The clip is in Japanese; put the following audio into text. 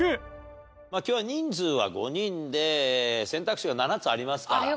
まあ今日は人数は５人で選択肢は７つありますから。